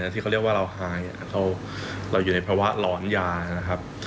ที่เขาเรียกว่าเราหายเราอยู่ในภาวะหลอนยานะครับ